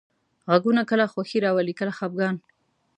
غږونه کله خوښي راولي، کله خپګان.